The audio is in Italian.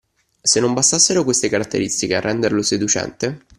Se non bastassero queste caratteristiche a renderlo seducente